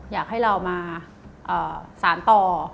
อยากให้เรามาสารต่อ